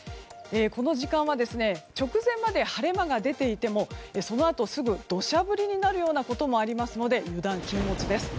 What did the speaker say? この時間は直前まで晴れ間が出ていてもそのあとすぐ土砂降りになるようなこともありますので油断禁物です。